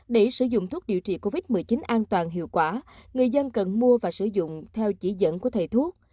để sử dụng thuốc điều trị covid một mươi chín an toàn hiệu quả người dân cần mua và sử dụng theo chỉ dẫn của thầy thuốc